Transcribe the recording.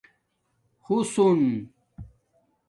حُسن